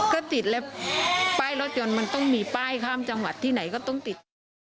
ก็ติดแล้วป้ายรถยนต์มันต้องมีป้ายข้ามจังหวัดที่ไหนก็ต้องติด